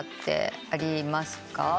ありますか？